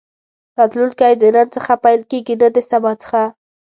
راتلونکی د نن څخه پيل کېږي نه د سبا څخه.